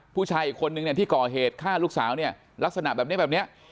ผู้ชายอีกคนนึงเนี่ยที่ก่อเหตุฆ่าลูกสาวเนี่ยลักษณะแบบนี้แบบนี้